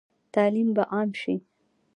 تعلیم به عام شي؟